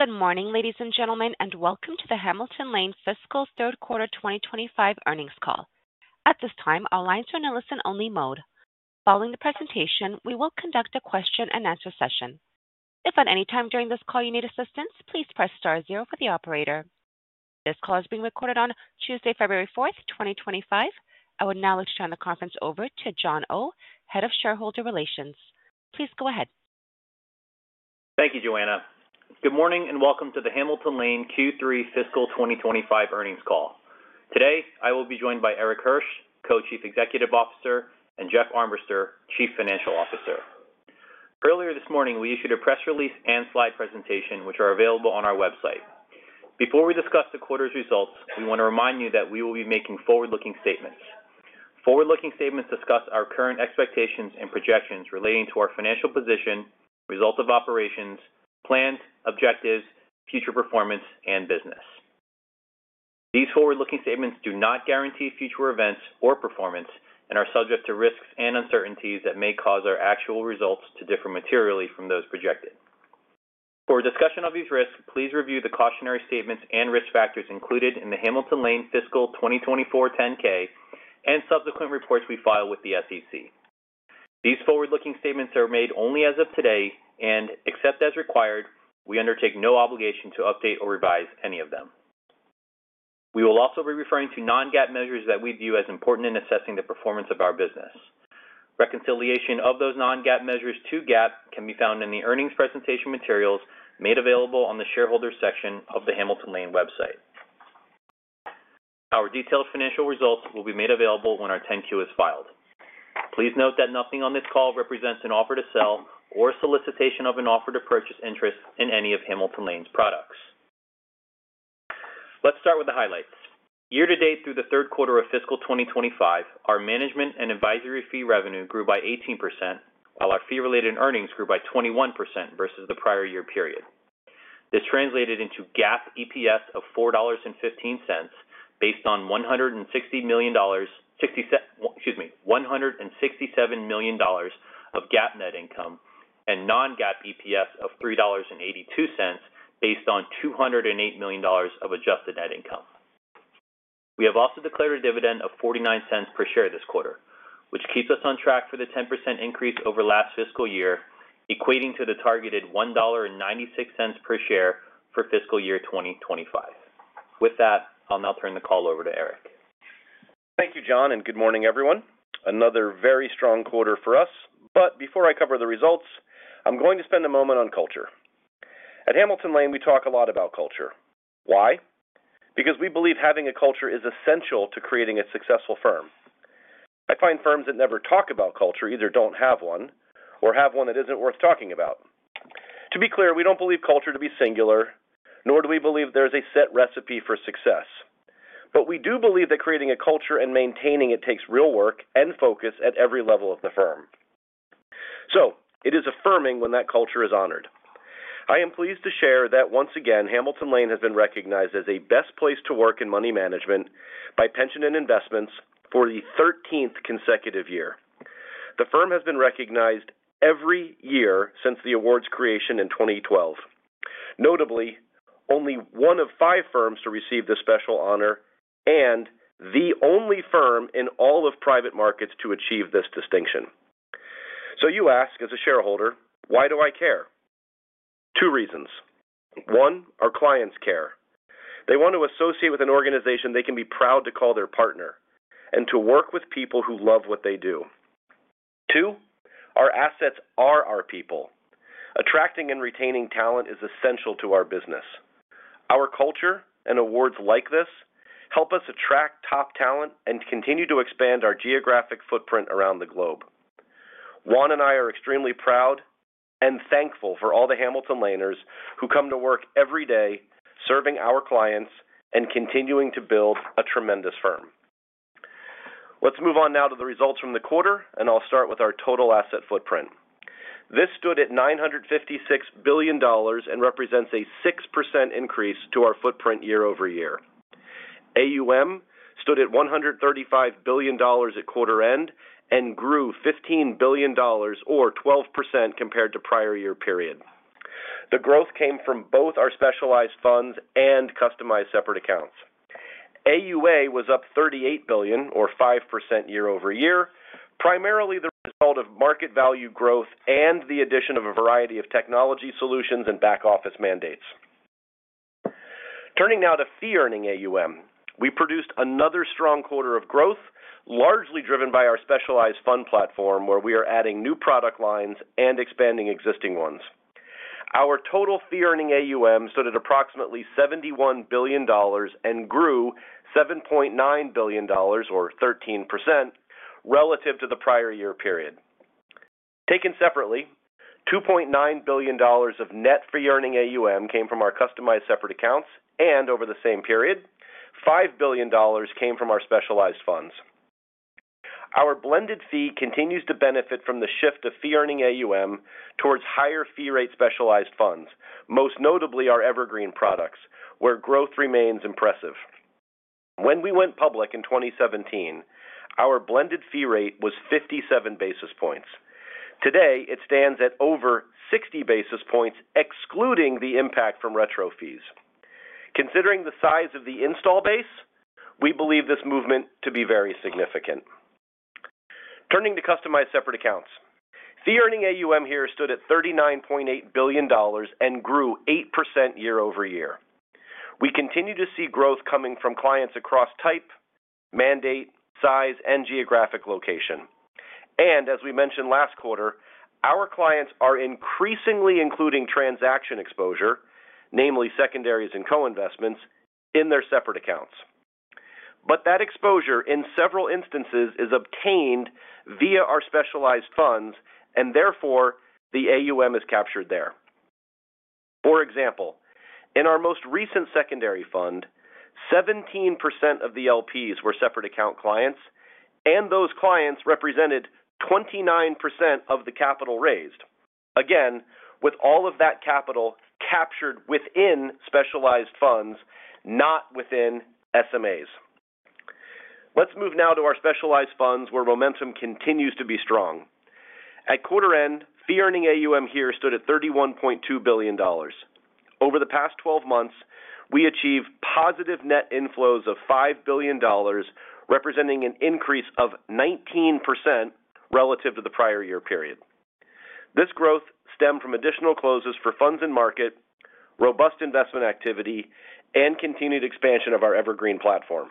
Good morning, ladies and gentlemen, and welcome to the Hamilton Lane fiscal third quarter 2025 earnings call. At this time, our lines are in a listen-only mode. Following the presentation, we will conduct a question-and-answer session. If at any time during this call you need assistance, please press star zero for the operator. This call is being recorded on Tuesday, February 4th, 2025. I would now like to turn the conference over to John Oh, Head of Shareholder Relations. Please go ahead. Thank you, Joanna. Good morning and welcome to the Hamilton Lane Q3 Fiscal 2025 earnings call. Today, I will be joined by Erik Hirsch, Co-Chief Executive Officer, and Jeff Armbrister, Chief Financial Officer. Earlier this morning, we issued a press release and slide presentation, which are available on our website. Before we discuss the quarter's results, we want to remind you that we will be making forward-looking statements. Forward-looking statements discuss our current expectations and projections relating to our financial position, results of operations, plans, objectives, future performance, and business. These forward-looking statements do not guarantee future events or performance and are subject to risks and uncertainties that may cause our actual results to differ materially from those projected. For discussion of these risks, please review the cautionary statements and risk factors included in the Hamilton Lane fiscal 2024 10-K and subsequent reports we file with the SEC. These forward-looking statements are made only as of today and, except as required, we undertake no obligation to update or revise any of them. We will also be referring to non-GAAP measures that we view as important in assessing the performance of our business. Reconciliation of those non-GAAP measures to GAAP can be found in the earnings presentation materials made available on the shareholder section of the Hamilton Lane website. Our detailed financial results will be made available when our 10-Q is filed. Please note that nothing on this call represents an offer to sell or solicitation of an offer to purchase interest in any of Hamilton Lane's products. Let's start with the highlights. Year-to-date through the third quarter of fiscal 2025, our management and advisory fee revenue grew by 18%, while our fee-related earnings grew by 21% versus the prior year period. This translated into GAAP EPS of $4.15 based on $160 million, excuse me, $167 million of GAAP net income and non-GAAP EPS of $3.82 based on $208 million of adjusted net income. We have also declared a dividend of $0.49 per share this quarter, which keeps us on track for the 10% increase over last fiscal year, equating to the targeted $1.96 per share for fiscal year 2025. With that, I'll now turn the call over to Erik. Thank you, John, and good morning, everyone. Another very strong quarter for us. But before I cover the results, I'm going to spend a moment on culture. At Hamilton Lane, we talk a lot about culture. Why? Because we believe having a culture is essential to creating a successful firm. I find firms that never talk about culture either don't have one or have one that isn't worth talking about. To be clear, we don't believe culture to be singular, nor do we believe there is a set recipe for success. But we do believe that creating a culture and maintaining it takes real work and focus at every level of the firm. So it is affirming when that culture is honored. I am pleased to share that, once again, Hamilton Lane has been recognized as a best place to work in money management by Pensions & Investments for the 13th consecutive year. The firm has been recognized every year since the award's creation in 2012. Notably, only one of five firms to receive this special honor and the only firm in all of private markets to achieve this distinction. So you ask, as a shareholder, why do I care? Two reasons. One, our clients care. They want to associate with an organization they can be proud to call their partner and to work with people who love what they do. Two, our assets are our people. Attracting and retaining talent is essential to our business. Our culture and awards like this help us attract top talent and continue to expand our geographic footprint around the globe. Juan and I are extremely proud and thankful for all the Hamilton Laners who come to work every day serving our clients and continuing to build a tremendous firm. Let's move on now to the results from the quarter, and I'll start with our total asset footprint. This stood at $956 billion and represents a 6% increase to our footprint year over year. AUM stood at $135 billion at quarter end and grew $15 billion, or 12%, compared to prior year period. The growth came from both our specialized funds and customized separate accounts. AUA was up $38 billion, or 5% year-over-year, primarily the result of market value growth and the addition of a variety of technology solutions and back office mandates. Turning now to fee-earning AUM, we produced another strong quarter of growth, largely driven by our specialized fund platform, where we are adding new product lines and expanding existing ones. Our total fee-earning AUM stood at approximately $71 billion and grew $7.9 billion, or 13%, relative to the prior year period. Taken separately, $2.9 billion of net fee-earning AUM came from our customized separate accounts and, over the same period, $5 billion came from our specialized funds. Our blended fee continues to benefit from the shift of fee-earning AUM towards higher fee-rate specialized funds, most notably our Evergreen products, where growth remains impressive. When we went public in 2017, our blended fee rate was 57 basis points. Today, it stands at over 60 basis points excluding the impact from retro fees. Considering the size of the install base, we believe this movement to be very significant. Turning to customized separate accounts, fee-earning AUM here stood at $39.8 billion and grew 8% year-over-year. We continue to see growth coming from clients across type, mandate, size, and geographic location. And as we mentioned last quarter, our clients are increasingly including transaction exposure, namely secondaries and co-investments, in their separate accounts. But that exposure, in several instances, is obtained via our specialized funds, and therefore the AUM is captured there. For example, in our most recent secondary fund, 17% of the LPs were separate account clients, and those clients represented 29% of the capital raised, again, with all of that capital captured within specialized funds, not within SMAs. Let's move now to our specialized funds, where momentum continues to be strong. At quarter end, fee-earning AUM here stood at $31.2 billion. Over the past 12 months, we achieved positive net inflows of $5 billion, representing an increase of 19% relative to the prior year period. This growth stemmed from additional closes for funds in market, robust investment activity, and continued expansion of our Evergreen Platform.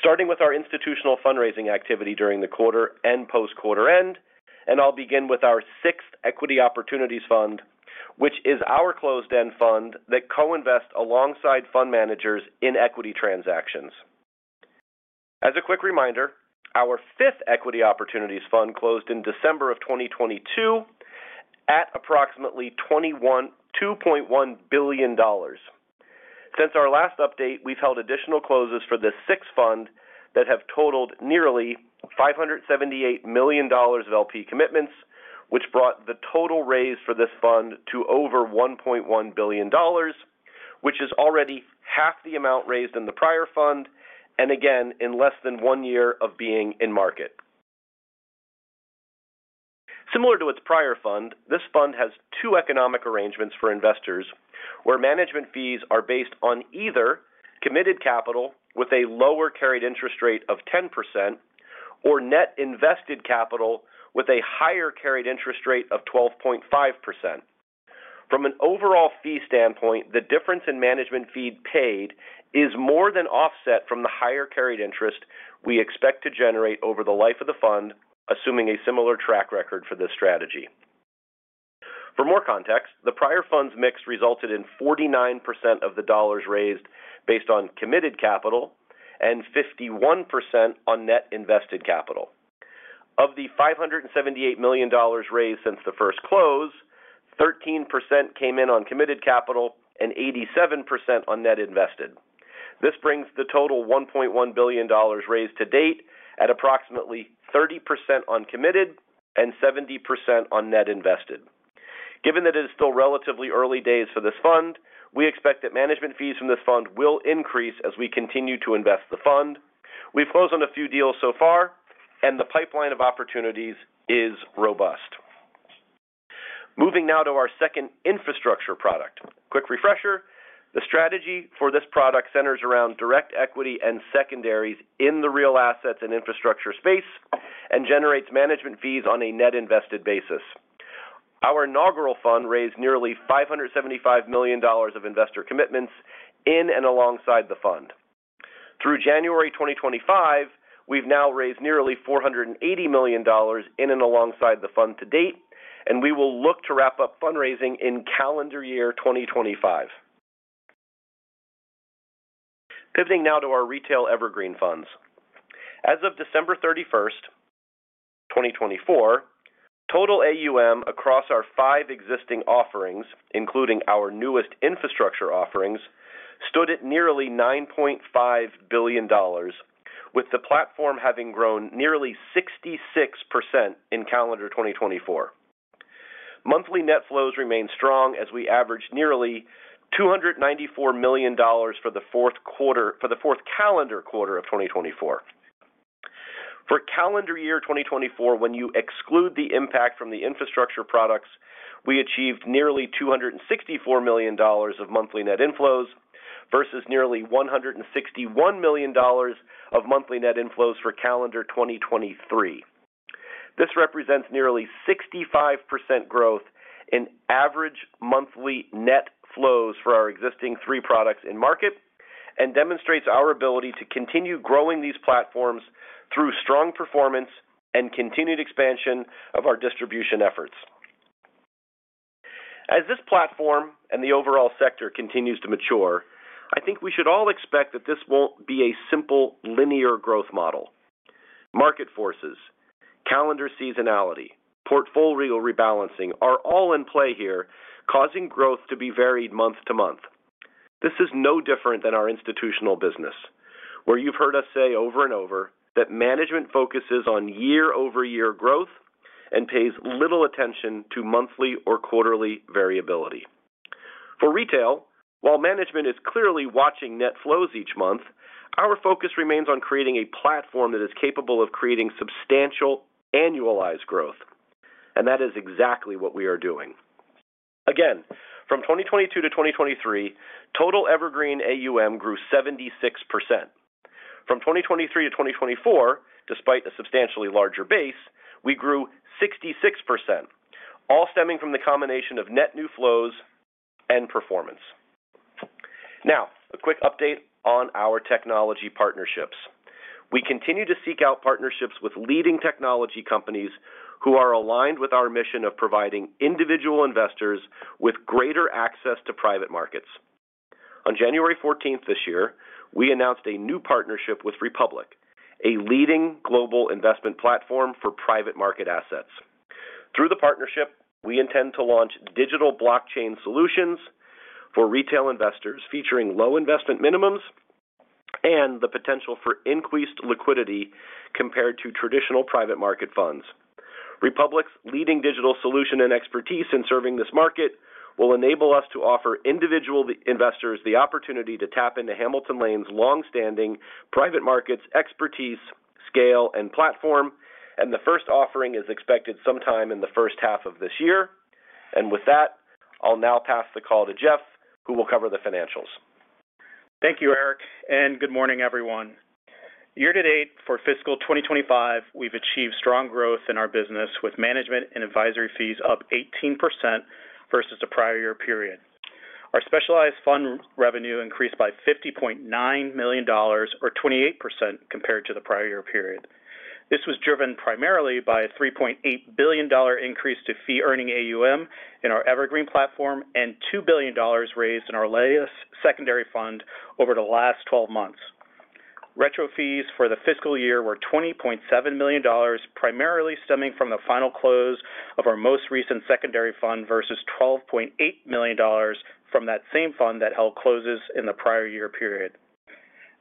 Starting with our institutional fundraising activity during the quarter and post-quarter end, and I'll begin with our sixth Equity Opportunities Fund, which is our closed-end fund that co-invests alongside fund managers in equity transactions. As a quick reminder, our fifth Equity Opportunities Fund closed in December of 2022 at approximately $2.1 billion. Since our last update, we've held additional closes for this sixth fund that have totaled nearly $578 million of LP commitments, which brought the total raise for this fund to over $1.1 billion, which is already half the amount raised in the prior fund, and again, in less than one year of being in market. Similar to its prior fund, this fund has two economic arrangements for investors, where management fees are based on either committed capital with a lower carried interest rate of 10% or net invested capital with a higher carried interest rate of 12.5%. From an overall fee standpoint, the difference in management fee paid is more than offset from the higher carried interest we expect to generate over the life of the fund, assuming a similar track record for this strategy. For more context, the prior fund's mix resulted in 49% of the dollars raised based on committed capital and 51% on net invested capital. Of the $578 million raised since the first close, 13% came in on committed capital and 87% on net invested. This brings the total $1.1 billion raised to date at approximately 30% on committed and 70% on net invested. Given that it is still relatively early days for this fund, we expect that management fees from this fund will increase as we continue to invest the fund. We've closed on a few deals so far, and the pipeline of opportunities is robust. Moving now to our second infrastructure product. Quick refresher. The strategy for this product centers around direct equity and secondaries in the real assets and infrastructure space and generates management fees on a net invested basis. Our inaugural fund raised nearly $575 million of investor commitments in and alongside the fund. Through January 2025, we've now raised nearly $480 million in and alongside the fund to date, and we will look to wrap up fundraising in calendar year 2025. Pivoting now to our Retail Evergreen Funds. As of December 31st, 2024, total AUM across our five existing offerings, including our newest infrastructure offerings, stood at nearly $9.5 billion, with the platform having grown nearly 66% in calendar 2024. Monthly net flows remained strong as we averaged nearly $294 million for the fourth calendar quarter of 2024. For calendar year 2024, when you exclude the impact from the infrastructure products, we achieved nearly $264 million of monthly net inflows versus nearly $161 million of monthly net inflows for calendar 2023. This represents nearly 65% growth in average monthly net flows for our existing three products in market and demonstrates our ability to continue growing these platforms through strong performance and continued expansion of our distribution efforts. As this platform and the overall sector continues to mature, I think we should all expect that this won't be a simple linear growth model. Market forces, calendar seasonality, portfolio rebalancing are all in play here, causing growth to be varied month to month. This is no different than our institutional business, where you've heard us say over and over that management focuses on year-over-year growth and pays little attention to monthly or quarterly variability. For retail, while management is clearly watching net flows each month, our focus remains on creating a platform that is capable of creating substantial annualized growth, and that is exactly what we are doing. Again, from 2022 to 2023, total Evergreen AUM grew 76%. From 2023 to 2024, despite a substantially larger base, we grew 66%, all stemming from the combination of net new flows and performance. Now, a quick update on our technology partnerships. We continue to seek out partnerships with leading technology companies who are aligned with our mission of providing individual investors with greater access to private markets. On January 14th this year, we announced a new partnership with Republic, a leading global investment platform for private market assets. Through the partnership, we intend to launch digital blockchain solutions for retail investors featuring low investment minimums and the potential for increased liquidity compared to traditional private market funds. Republic's leading digital solution and expertise in serving this market will enable us to offer individual investors the opportunity to tap into Hamilton Lane's long-standing private markets expertise, scale, and platform, and the first offering is expected sometime in the first half of this year. And with that, I'll now pass the call to Jeff, who will cover the financials. Thank you, Erik, and good morning, everyone. Year to date for fiscal 2025, we've achieved strong growth in our business with management and advisory fees up 18% versus the prior year period. Our specialized fund revenue increased by $50.9 million, or 28%, compared to the prior year period. This was driven primarily by a $3.8 billion increase to fee-earning AUM in our Evergreen platform and $2 billion raised in our latest secondary fund over the last 12 months. Retro fees for the fiscal year were $20.7 million, primarily stemming from the final close of our most recent secondary fund versus $12.8 million from that same fund that held closes in the prior year period.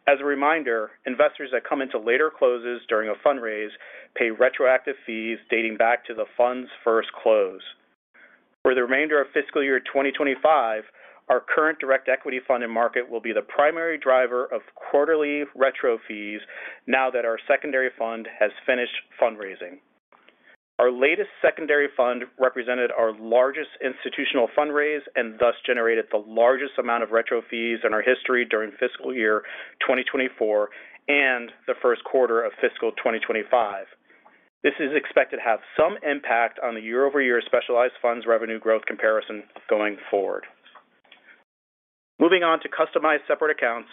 As a reminder, investors that come into later closes during a fundraise pay retroactive fees dating back to the fund's first close. For the remainder of fiscal year 2025, our current direct equity fund in market will be the primary driver of quarterly retro fees now that our secondary fund has finished fundraising. Our latest secondary fund represented our largest institutional fundraise and thus generated the largest amount of retro fees in our history during fiscal year 2024 and the first quarter of fiscal 2025. This is expected to have some impact on the year-over-year specialized funds revenue growth comparison going forward. Moving on to Customized Separate Accounts,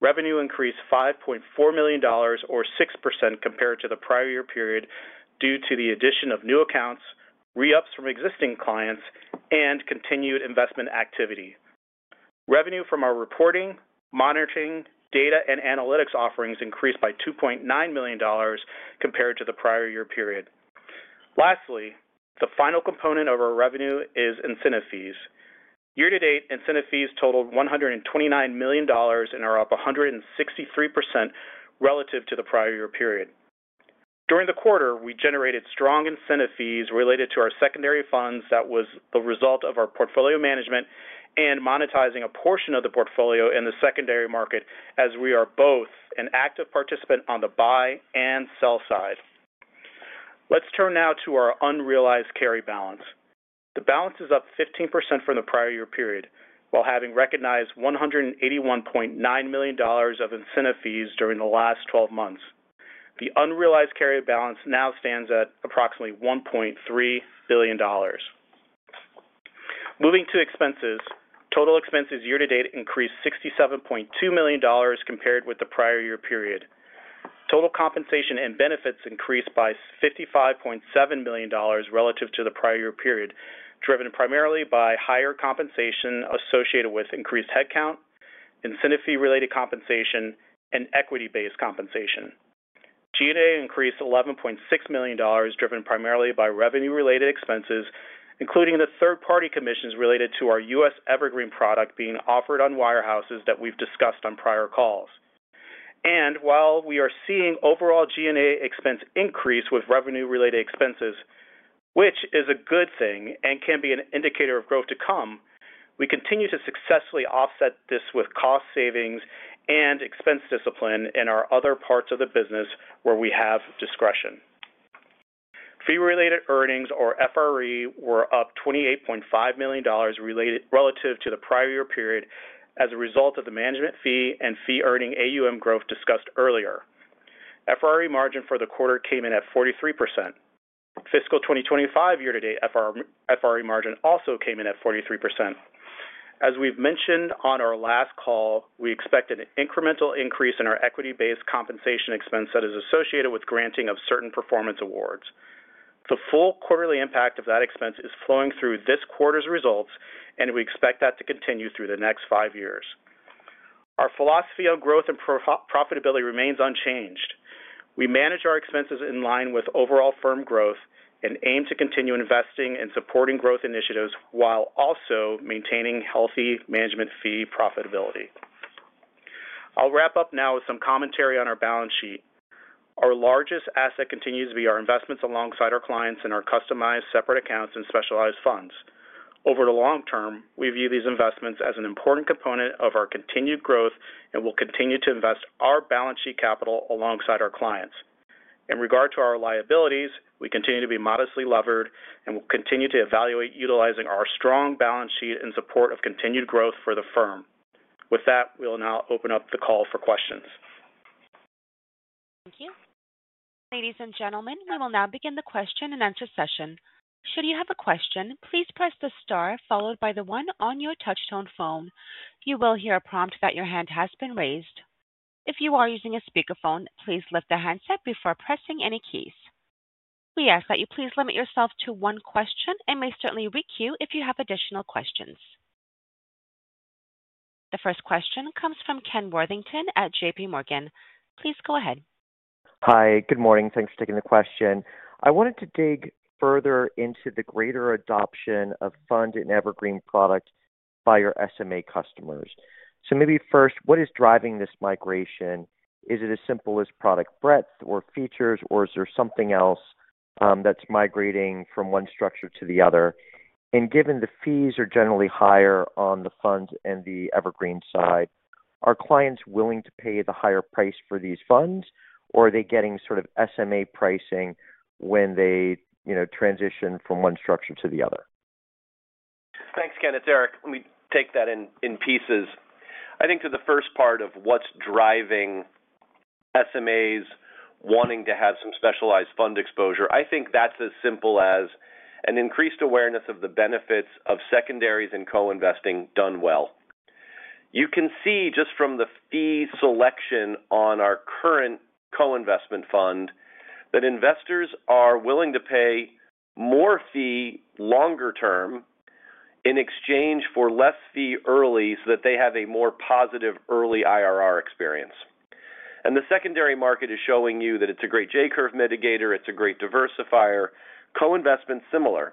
revenue increased $5.4 million, or 6%, compared to the prior year period due to the addition of new accounts, re-ups from existing clients, and continued investment activity. Revenue from our reporting, monitoring, data, and analytics offerings increased by $2.9 million compared to the prior year period. Lastly, the final component of our revenue is incentive fees. Year to date, incentive fees totaled $129 million and are up 163% relative to the prior year period. During the quarter, we generated strong incentive fees related to our secondary funds that was the result of our portfolio management and monetizing a portion of the portfolio in the secondary market, as we are both an active participant on the buy and sell side. Let's turn now to our Unrealized Carry Balance. The balance is up 15% from the prior year period, while having recognized $181.9 million of incentive fees during the last 12 months. The unrealized carry balance now stands at approximately $1.3 billion. Moving to expenses, total expenses year to date increased $67.2 million compared with the prior year period. Total compensation and benefits increased by $55.7 million relative to the prior year period, driven primarily by higher compensation associated with increased headcount, incentive fee-related compensation, and equity-based compensation. G&A increased $11.6 million, driven primarily by revenue-related expenses, including the third-party commissions related to our U.S. Evergreen product being offered on wirehouses that we've discussed on prior calls. And while we are seeing overall G&A expense increase with revenue-related expenses, which is a good thing and can be an indicator of growth to come, we continue to successfully offset this with cost savings and expense discipline in our other parts of the business where we have discretion. Fee-related earnings, or FRE, were up $28.5 million relative to the prior year period as a result of the management fee and fee-earning AUM growth discussed earlier. FRE margin for the quarter came in at 43%. Fiscal 2025 year to date, FRE margin also came in at 43%. As we've mentioned on our last call, we expect an incremental increase in our equity-based compensation expense that is associated with granting of certain performance awards. The full quarterly impact of that expense is flowing through this quarter's results, and we expect that to continue through the next five years. Our philosophy on growth and profitability remains unchanged. We manage our expenses in line with overall firm growth and aim to continue investing and supporting growth initiatives while also maintaining healthy management fee profitability. I'll wrap up now with some commentary on our balance sheet. Our largest asset continues to be our investments alongside our clients in our Customized Separate Accounts and Specialized Funds. Over the long term, we view these investments as an important component of our continued growth and will continue to invest our balance sheet capital alongside our clients. In regard to our liabilities, we continue to be modestly levered and will continue to evaluate utilizing our strong balance sheet in support of continued growth for the firm. With that, we'll now open up the call for questions. Thank you. Ladies and gentlemen, we will now begin the question and answer session. Should you have a question, please press the star followed by the one on your touchtone phone. You will hear a prompt that your hand has been raised. If you are using a speakerphone, please lift the handset before pressing any keys. We ask that you please limit yourself to one question and may certainly re-queue if you have additional questions. The first question comes from Ken Worthington at J.P. Morgan. Please go ahead. Hi, good morning. Thanks for taking the question. I wanted to dig further into the greater adoption of funds in Evergreen product by your SMA customers. So maybe first, what is driving this migration? Is it as simple as product breadth or features, or is there something else that's migrating from one structure to the other? Given the fees are generally higher on the funds in the Evergreen side, are clients willing to pay the higher price for these funds, or are they getting sort of SMA pricing when they transition from one structure to the other? Thanks, Ken. Erik, let me take that in pieces. I think to the first part of what's driving SMAs wanting to have some specialized fund exposure, I think that's as simple as an increased awareness of the benefits of secondaries and co-investing done well. You can see just from the fee selection on our current co-investment fund that investors are willing to pay more fee longer term in exchange for less fee early so that they have a more positive early IRR experience. The secondary market is showing you that it's a great J-curve mitigator. It's a great diversifier. Co-investment is similar.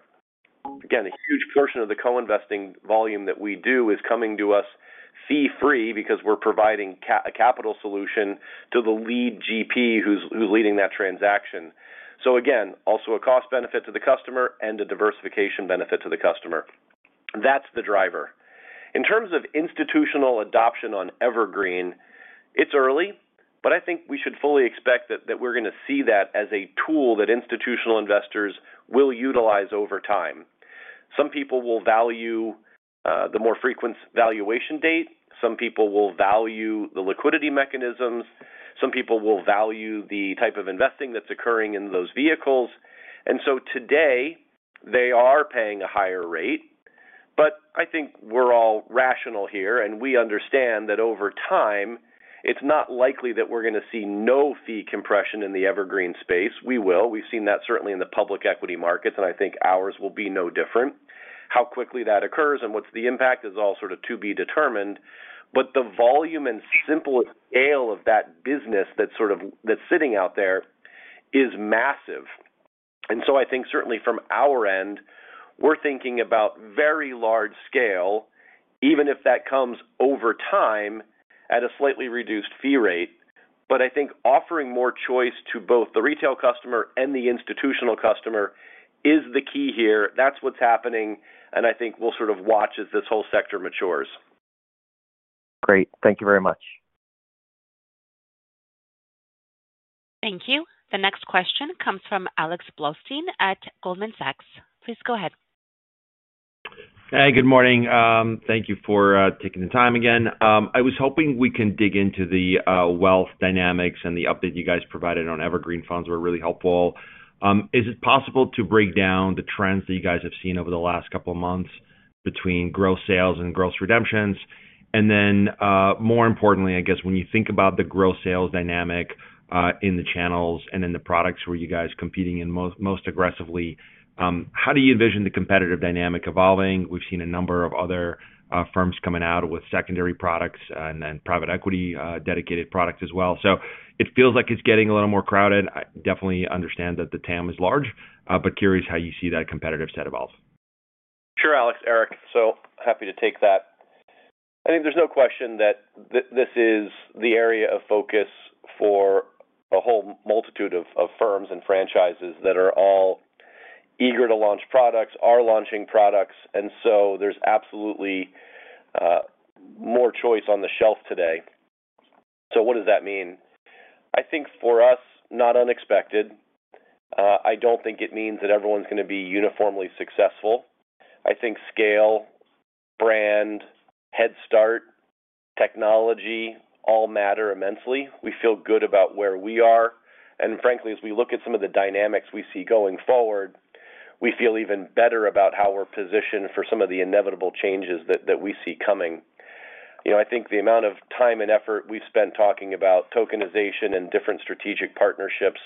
Again, a huge portion of the co-investing volume that we do is coming to us fee-free because we're providing a capital solution to the lead GP who's leading that transaction. So again, also a cost benefit to the customer and a diversification benefit to the customer. That's the driver. In terms of institutional adoption on Evergreen, it's early, but I think we should fully expect that we're going to see that as a tool that institutional investors will utilize over time. Some people will value the more frequent valuation date. Some people will value the liquidity mechanisms. Some people will value the type of investing that's occurring in those vehicles. And so today, they are paying a higher rate, but I think we're all rational here, and we understand that over time, it's not likely that we're going to see no fee compression in the Evergreen space. We will. We've seen that certainly in the public equity markets, and I think ours will be no different. How quickly that occurs and what's the impact is all sort of to be determined, but the volume and simple scale of that business that's sitting out there is massive, and so I think certainly from our end, we're thinking about very large scale, even if that comes over time at a slightly reduced fee rate, but I think offering more choice to both the retail customer and the institutional customer is the key here. That's what's happening, and I think we'll sort of watch as this whole sector matures. Great. Thank you very much. Thank you. The next question comes from Alex Blostein at Goldman Sachs. Please go ahead. Hi, good morning. Thank you for taking the time again. I was hoping we can dig into the wealth dynamics and the update you guys provided on Evergreen Funds were really helpful. Is it possible to break down the trends that you guys have seen over the last couple of months between gross sales and gross redemptions? And then, more importantly, I guess, when you think about the gross sales dynamic in the channels and in the products where you guys are competing most aggressively, how do you envision the competitive dynamic evolving? We've seen a number of other firms coming out with secondary products and then private equity dedicated products as well. So it feels like it's getting a little more crowded. I definitely understand that the TAM is large, but curious how you see that competitive set evolve. Sure, Alex. EriK, so happy to take that. I think there's no question that this is the area of focus for a whole multitude of firms and franchises that are all eager to launch products, are launching products, and so there's absolutely more choice on the shelf today, so what does that mean? I think for us, not unexpected. I don't think it means that everyone's going to be uniformly successful. I think scale, brand, headstart, technology all matter immensely. We feel good about where we are, and frankly, as we look at some of the dynamics we see going forward, we feel even better about how we're positioned for some of the inevitable changes that we see coming. I think the amount of time and effort we've spent talking about tokenization and different strategic partnerships,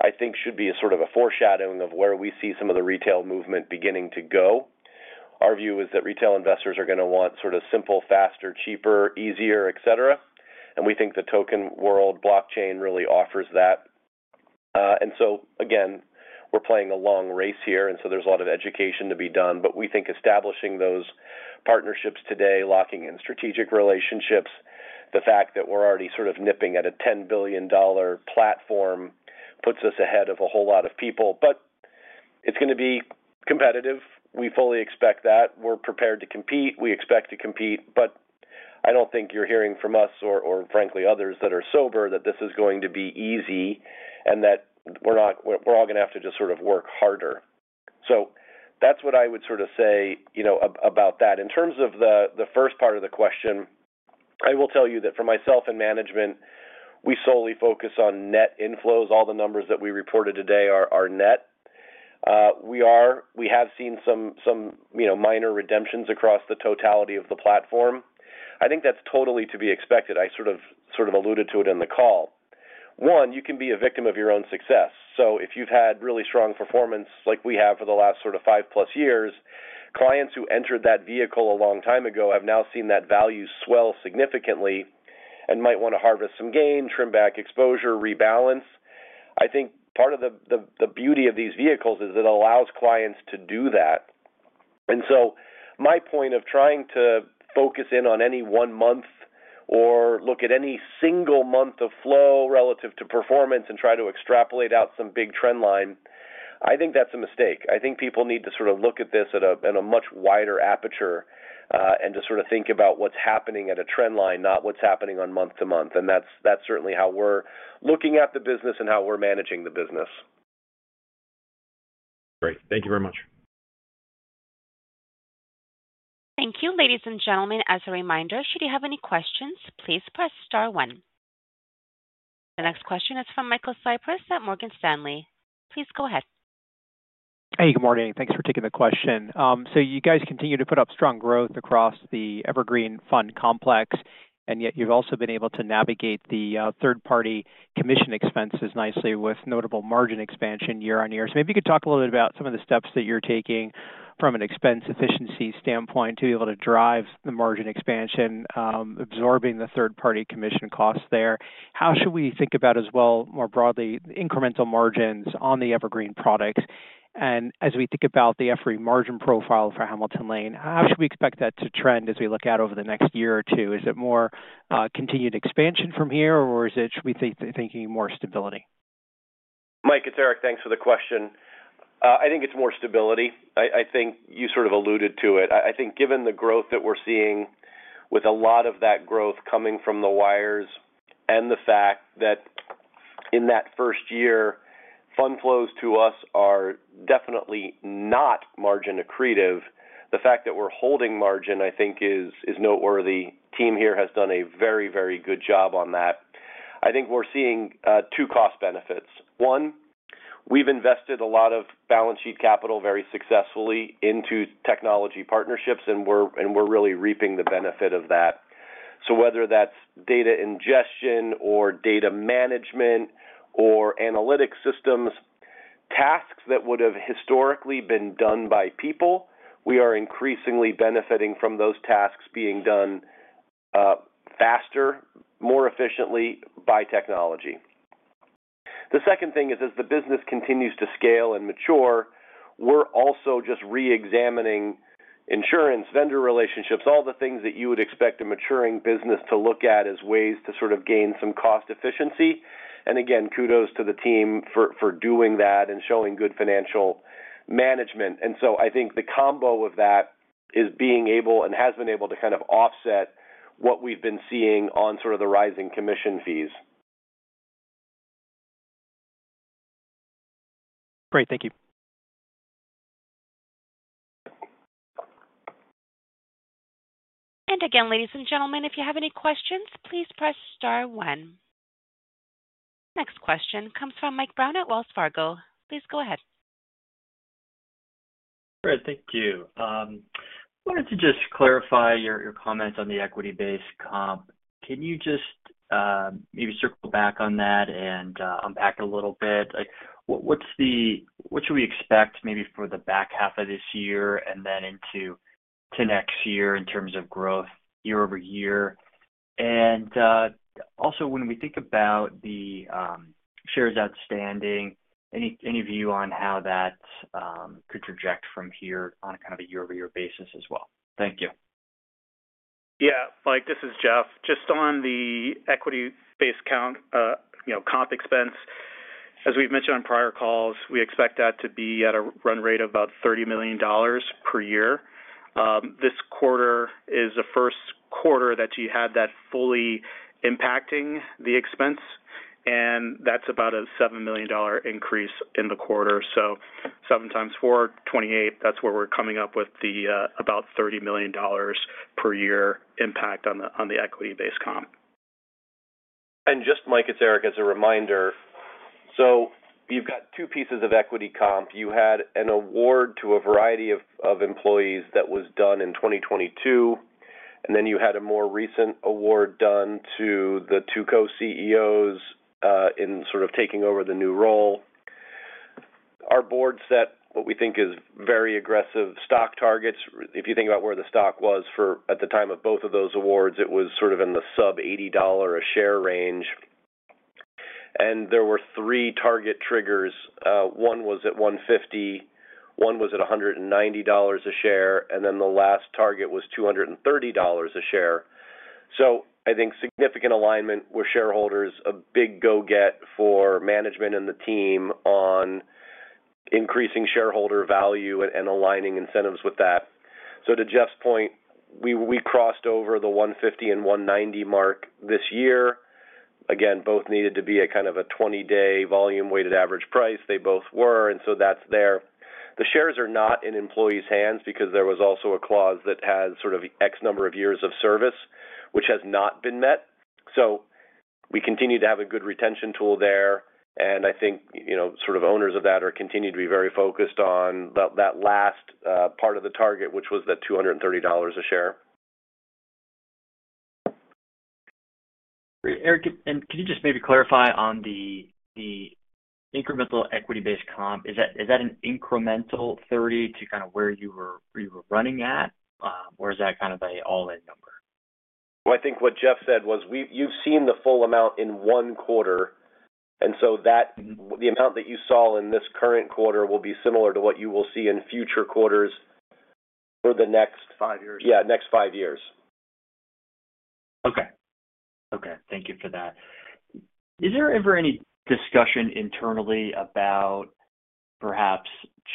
I think, should be sort of a foreshadowing of where we see some of the retail movement beginning to go. Our view is that retail investors are going to want sort of simple, faster, cheaper, easier, etc. And we think the token world, blockchain really offers that. And so again, we're playing a long race here, and so there's a lot of education to be done. But we think establishing those partnerships today, locking in strategic relationships, the fact that we're already sort of nipping at a $10 billion platform puts us ahead of a whole lot of people. But it's going to be competitive. We fully expect that. We're prepared to compete. We expect to compete. But I don't think you're hearing from us or, frankly, others that are sober that this is going to be easy and that we're all going to have to just sort of work harder. So that's what I would sort of say about that. In terms of the first part of the question, I will tell you that for myself and management, we solely focus on net inflows. All the numbers that we reported today are net. We have seen some minor redemptions across the totality of the platform. I think that's totally to be expected. I sort of alluded to it in the call. One, you can be a victim of your own success. So if you've had really strong performance like we have for the last sort of five-plus years, clients who entered that vehicle a long time ago have now seen that value swell significantly and might want to harvest some gain, trim back exposure, rebalance. I think part of the beauty of these vehicles is that it allows clients to do that. And so my point of trying to focus in on any one month or look at any single month of flow relative to performance and try to extrapolate out some big trend line, I think that's a mistake. I think people need to sort of look at this at a much wider aperture and to sort of think about what's happening at a trend line, not what's happening on month to month. And that's certainly how we're looking at the business and how we're managing the business. Great. Thank you very much. Thank you. Ladies and gentlemen, as a reminder, should you have any questions, please press star one. The next question is from Michael Cyprys at Morgan Stanley. Please go ahead. Hey, good morning. Thanks for taking the question. So you guys continue to put up strong growth across the Evergreen fund complex, and yet you've also been able to navigate the third-party commission expenses nicely with notable margin expansion year on year. So maybe you could talk a little bit about some of the steps that you're taking from an expense efficiency standpoint to be able to drive the margin expansion, absorbing the third-party commission costs there. How should we think about, as well, more broadly, the incremental margins on the Evergreen products? And as we think about the FRE margin profile for Hamilton Lane, how should we expect that to trend as we look out over the next year or two? Is it more continued expansion from here, or should we be thinking more stability? Mike, it's Erik. Thanks for the question. I think it's more stability. I think you sort of alluded to it. I think given the growth that we're seeing with a lot of that growth coming from the wires and the fact that in that first year, fund flows to us are definitely not margin accretive, the fact that we're holding margin, I think, is noteworthy. Team here has done a very, very good job on that. I think we're seeing two cost benefits. One, we've invested a lot of balance sheet capital very successfully into technology partnerships, and we're really reaping the benefit of that. So whether that's data ingestion or data management or analytic systems, tasks that would have historically been done by people, we are increasingly benefiting from those tasks being done faster, more efficiently by technology. The second thing is, as the business continues to scale and mature, we're also just re-examining insurance, vendor relationships, all the things that you would expect a maturing business to look at as ways to sort of gain some cost efficiency. And again, kudos to the team for doing that and showing good financial management. And so I think the combo of that is being able and has been able to kind of offset what we've been seeing on sort of the rising commission fees. Great. Thank you. And again, ladies and gentlemen, if you have any questions, please press star one. The next question comes from Mike Brown at Wells Fargo. Please go ahead. Sure. Thank you. I wanted to just clarify your comments on the equity-based comp. Can you just maybe circle back on that and unpack a little bit? What should we expect maybe for the back half of this year and then into next year in terms of growth year-over-year? And also, when we think about the shares outstanding, any view on how that could project from here on a kind of a year-over-year basis as well? Thank you. Yeah. Mike, this is Jeff. Just on the equity-based comp expense, as we've mentioned on prior calls, we expect that to be at a run rate of about $30 million per year. This quarter is the first quarter that you had that fully impacting the expense, and that's about a $7 million increase in the quarter. So 7 times 4, 28, that's where we're coming up with the about $30 million per year impact on the equity-based comp. And just, Mike, it's Erik, as a reminder. So you've got two pieces of equity comp. You had an award to a variety of employees that was done in 2022, and then you had a more recent award done to the two co-CEOs in sort of taking over the new role. Our board set what we think is very aggressive stock targets. If you think about where the stock was at the time of both of those awards, it was sort of in the sub-$80 a share range. And there were three target triggers. One was at $150, one was at $190 a share, and then the last target was $230 a share. So I think significant alignment with shareholders, a big go-get for management and the team on increasing shareholder value and aligning incentives with that. So to Jeff's point, we crossed over the 150 and 190 mark this year. Again, both needed to be a kind of a 20-day volume-weighted average price. They both were, and so that's there. The shares are not in employees' hands because there was also a clause that has sort of X number of years of service, which has not been met. So we continue to have a good retention tool there, and I think sort of owners of that are continuing to be very focused on that last part of the target, which was that $230 a share. Great. Erik, and can you just maybe clarify on the incremental equity-based comp? Is that an incremental 30 to kind of where you were running at, or is that kind of an all-in number? Well, I think what Jeff said was you've seen the full amount in one quarter, and so the amount that you saw in this current quarter will be similar to what you will see in future quarters for the Next five years. Yeah, next five years. Okay. Okay. Thank you for that. Is there ever any discussion internally about perhaps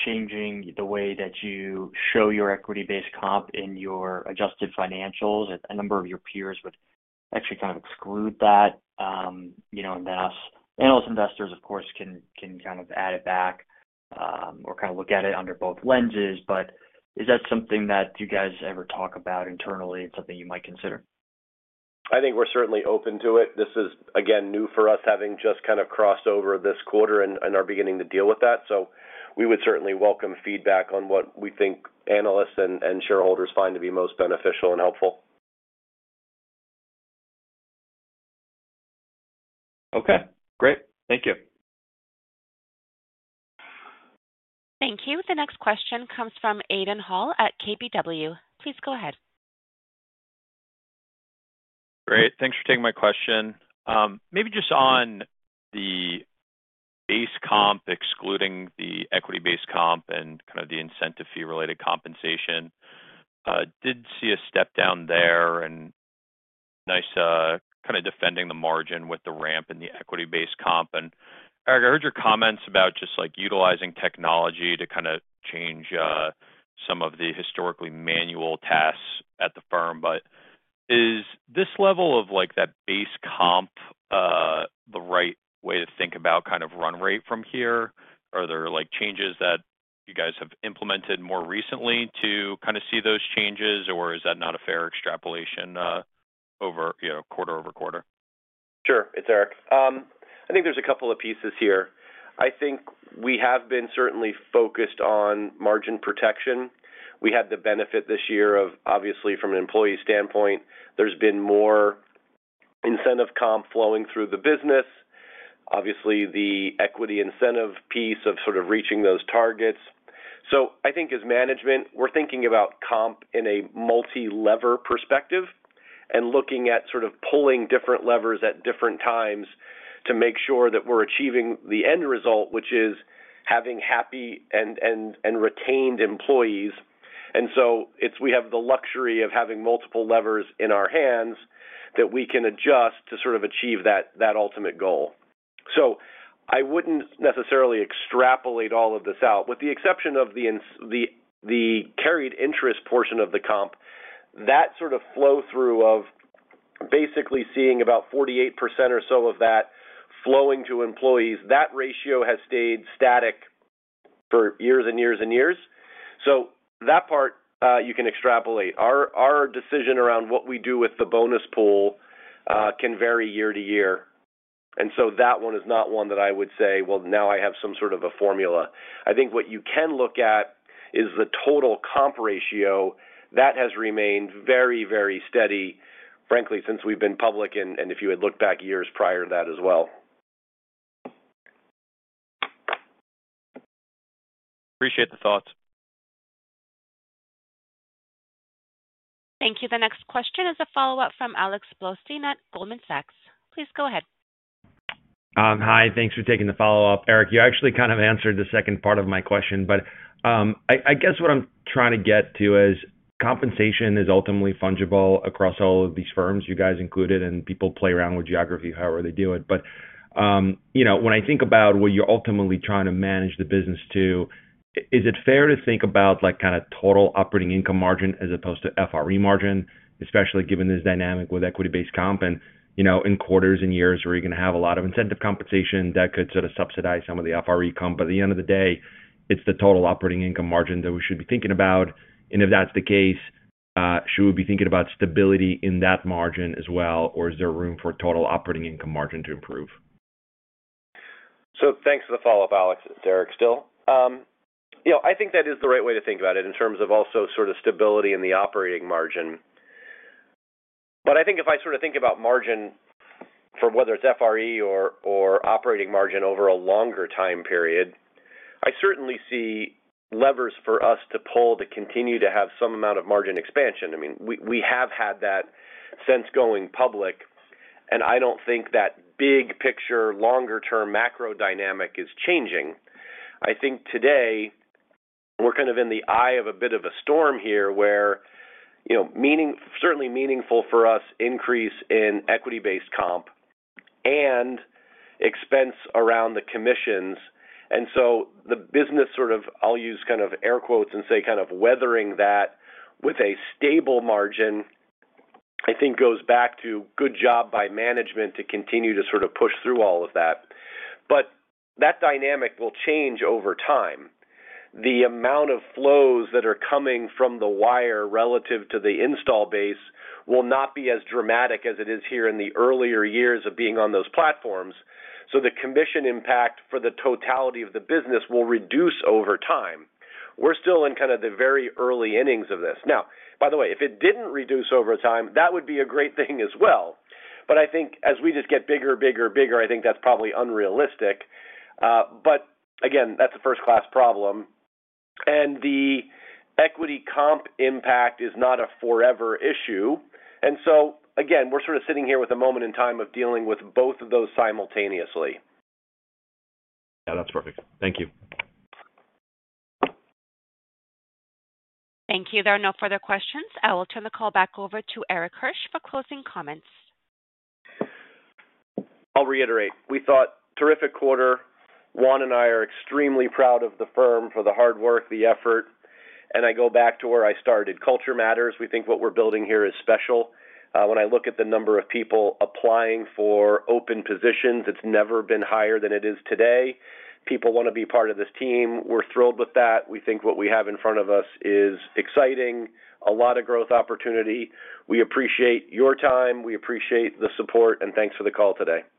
changing the way that you show your equity-based comp in your adjusted financials? A number of your peers would actually kind of exclude that en masse. Analyst investors, of course, can kind of add it back or kind of look at it under both lenses, but is that something that you guys ever talk about internally and something you might consider? I think we're certainly open to it. This is, again, new for us, having just kind of crossed over this quarter and are beginning to deal with that. So we would certainly welcome feedback on what we think analysts and shareholders find to be most beneficial and helpful. Okay. Great. Thank you. Thank you. The next question comes from Aidan Hall at KBW. Please go ahead. Great. Thanks for taking my question. Maybe just on the base comp, excluding the equity-based comp and kind of the incentive fee-related compensation, did see a step down there and nice kind of defending the margin with the ramp in the equity-based comp. And Erik, I heard your comments about just utilizing technology to kind of change some of the historically manual tasks at the firm, but is this level of that base comp the right way to think about kind of run rate from here? Are there changes that you guys have implemented more recently to kind of see those changes, or is that not a fair extrapolation over quarter-over-quarter? Sure. It's Erik. I think there's a couple of pieces here. I think we have been certainly focused on margin protection. We had the benefit this year of, obviously, from an employee standpoint, there's been more incentive comp flowing through the business, obviously, the equity incentive piece of sort of reaching those targets, so I think as management, we're thinking about comp in a multi-lever perspective and looking at sort of pulling different levers at different times to make sure that we're achieving the end result, which is having happy and retained employees, and so we have the luxury of having multiple levers in our hands that we can adjust to sort of achieve that ultimate goal, so I wouldn't necessarily extrapolate all of this out. With the exception of the carried interest portion of the comp, that sort of flow-through of basically seeing about 48% or so of that flowing to employees, that ratio has stayed static for years and years and years, so that part, you can extrapolate. Our decision around what we do with the bonus pool can vary year to year. And so that one is not one that I would say, "Well, now I have some sort of a formula." I think what you can look at is the total comp ratio. That has remained very, very steady, frankly, since we've been public and if you had looked back years prior to that as well. Appreciate the thoughts. Thank you. The next question is a follow-up from Alex Blostein at Goldman Sachs. Please go ahead. Hi. Thanks for taking the follow-up. Erik, you actually kind of answered the second part of my question, but I guess what I'm trying to get to is compensation is ultimately fungible across all of these firms, you guys included, and people play around with geography, however they do it. But when I think about what you're ultimately trying to manage the business to, is it fair to think about kind of total operating income margin as opposed to FRE margin, especially given this dynamic with equity-based comp? And in quarters and years, we're going to have a lot of incentive compensation that could sort of subsidize some of the FRE comp. But at the end of the day, it's the total operating income margin that we should be thinking about. And if that's the case, should we be thinking about stability in that margin as well, or is there room for total operating income margin to improve? So thanks for the follow-up, Alex. It's Erik still. I think that is the right way to think about it in terms of also sort of stability in the operating margin. But I think if I sort of think about margin for whether it's FRE or operating margin over a longer time period, I certainly see levers for us to pull to continue to have some amount of margin expansion. I mean, we have had that since going public, and I don't think that big picture, longer-term macro dynamic is changing. I think today we're kind of in the eye of a bit of a storm here where certainly meaningful for us increase in equity-based comp and expense around the commissions. And so the business sort of, I'll use kind of air quotes and say kind of weathering that with a stable margin, I think goes back to good job by management to continue to sort of push through all of that. But that dynamic will change over time. The amount of flows that are coming from the wire relative to the install base will not be as dramatic as it is here in the earlier years of being on those platforms. So the commission impact for the totality of the business will reduce over time. We're still in kind of the very early innings of this. Now, by the way, if it didn't reduce over time, that would be a great thing as well. But I think as we just get bigger, bigger, bigger, I think that's probably unrealistic. But again, that's a first-class problem. And the equity comp impact is not a forever issue. And so again, we're sort of sitting here with a moment in time of dealing with both of those simultaneously. Yeah, that's perfect. Thank you. Thank you. There are no further questions. I will turn the call back over to Erik Hirsch for closing comments. I'll reiterate. We thought terrific quarter. Juan and I are extremely proud of the firm for the hard work, the effort, and I go back to where I started. Culture matters. We think what we're building here is special. When I look at the number of people applying for open positions, it's never been higher than it is today. People want to be part of this team. We're thrilled with that. We think what we have in front of us is exciting. A lot of growth opportunity. We appreciate your time. We appreciate the support, and thanks for the call today.